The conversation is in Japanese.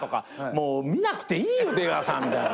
もう見なくていいよ出川さん。